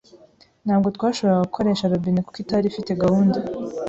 Ntabwo twashoboraga gukoresha robine kuko itari ifite gahunda.